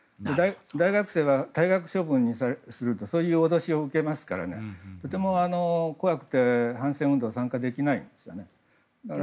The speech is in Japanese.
大学生は退学処分にするとそういう脅しを受けますからとても怖くて反戦運動に参加はできないですよね。